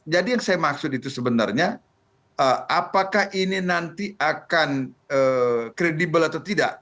jadi yang saya maksud itu sebenarnya apakah ini nanti akan kredibel atau tidak